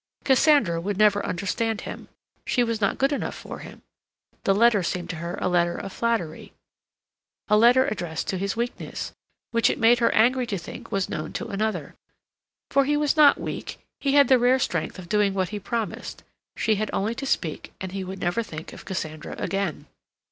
Cassandra would never understand him—she was not good enough for him. The letter seemed to her a letter of flattery—a letter addressed to his weakness, which it made her angry to think was known to another. For he was not weak; he had the rare strength of doing what he promised—she had only to speak, and he would never think of Cassandra again.